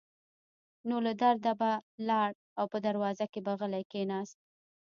نو له درده به لاړ او په دروازه کې به غلی کېناست.